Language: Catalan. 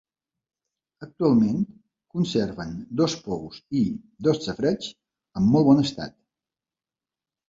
Actualment conserven dos pous i dos safareigs en molt bon estat.